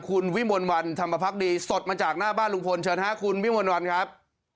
คุณวิมลวันธรรมพักดีสดมาจากหน้าบ้านลุงพลเชิญฮะคุณวิมวลวันครับ